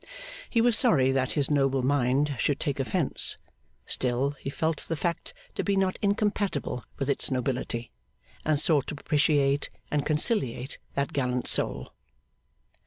He was sorry that his noble mind should take offence; still, he felt the fact to be not incompatible with its nobility, and sought to propitiate and conciliate that gallant soul.